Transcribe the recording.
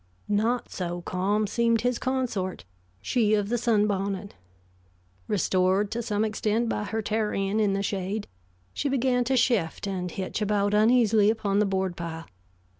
Not so calm seemed his consort, she of the sunbonnet. Restored to some extent by her tarrying in the shade, she began to shift and hitch about uneasily upon the board pile.